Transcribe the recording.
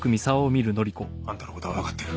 あんたの事はわかってる。